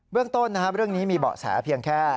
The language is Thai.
เรื่องต้นเรื่องนี้มีเบาะแสเพียงแค่